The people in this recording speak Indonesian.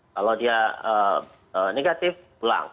kalau dia negatif pulang